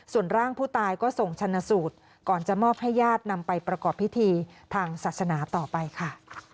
ส่วนร่างผู้ตายก็ส่งชนะสูตรก่อนจะมอบให้ญาตินำไปประกอบพิธีทางศาสนาต่อไปค่ะ